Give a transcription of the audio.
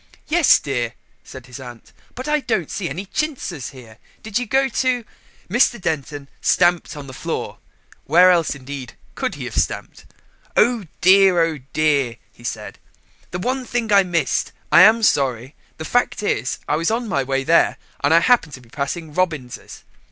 "Yes, dear," said his aunt, "but I don't see any chintzes here. Did you go to ?" Mr. Denton stamped on the floor (where else, indeed, could he have stamped?). "Oh dear, oh dear," he said, "the one thing I missed. I am sorry. The fact is I was on my way there and I happened to be passing Robins's."